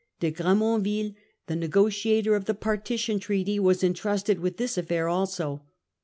De Gre monville, the negotiator of the Partition Treaty, was en trusted with this affair also.